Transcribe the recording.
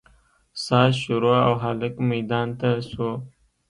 ساز شروع او هلک ميدان ته سو.